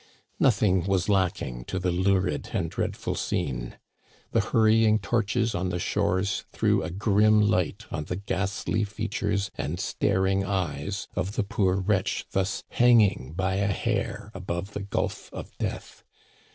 Nothing was lacking to the lurid and dreadful scene. The hurrying torches on the shores threw a grim light on the ghastly features and staring eyes of the poor wretch thus hanging by a hair above the gulf of death.